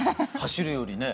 走るよりね。